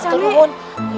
sampai jumpa bun